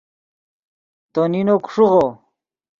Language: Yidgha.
تو نینو کو ݰیغو